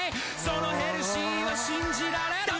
そのヘルシーは信じられる？